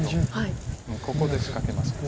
ここで仕掛けました。